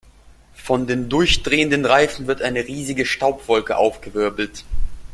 Von den durchdrehenden Reifen wird eine riesige Staubwolke aufgewirbelt.